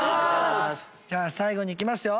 じゃあ最後にいきますよ。